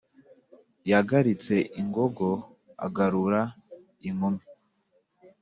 yagaritse ingogo agarura inkumi,